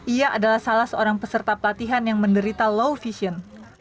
ia adalah salah seorang peserta pelatihan yang menderita low vision